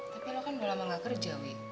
tapi lo kan udah lama gak kerja wi